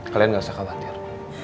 kalian gak usah khawatir